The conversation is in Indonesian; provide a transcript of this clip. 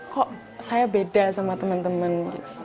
kok saya beda sama teman teman